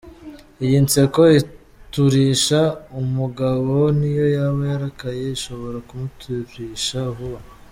Iyo nseko iturisha umugabo n’iyo yaba yarakaye ishobora kumuturisha vuba.